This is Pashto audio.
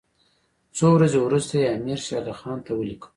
څو ورځې وروسته یې امیر شېر علي خان ته ولیکل.